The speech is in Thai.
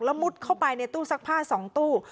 แล้วมุดเข้าไปในตู้ซักผ้า๒ตู้